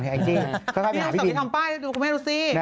พี่อัพสวัสดีทำป้ายดูก็ไม่ให้รู้สิ